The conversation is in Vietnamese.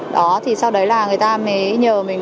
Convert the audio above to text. đó thì sau đấy là người ta mới nhờ mình